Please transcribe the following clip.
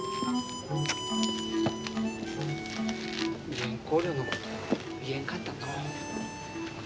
原稿料のこと言えんかったの。